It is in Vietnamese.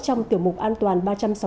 trong tiểu mục an toàn ba trăm sáu mươi tám